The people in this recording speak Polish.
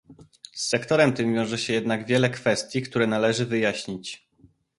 Z sektorem tym wiąże się jednak wiele kwestii, które należy wyjaśnić